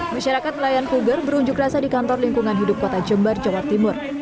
masyarakat nelayan puger berunjuk rasa di kantor lingkungan hidup kota jember jawa timur